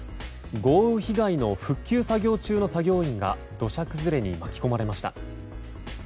豪雨被害の復旧作業中の作業員が土砂崩れに巻き込まれました。